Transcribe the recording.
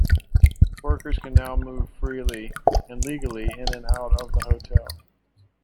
Workers can now move freely and legally in and out of the hotel.